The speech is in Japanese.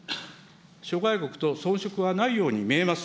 諸外国とそん色はないように見えます。